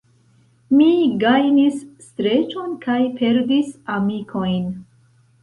Mi gajnis streĉon kaj perdis amikojn.